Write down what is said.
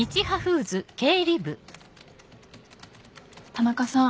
田中さん。